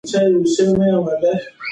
کتابونه د پوهې او رڼا سرچینې دي.